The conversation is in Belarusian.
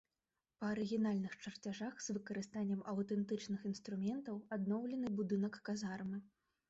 Па арыгінальных чарцяжах з выкарыстаннем аўтэнтычных інструментаў адноўлены будынак казармы.